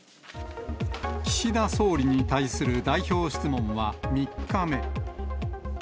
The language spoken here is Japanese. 岸田総理に対する代表質問は３日目。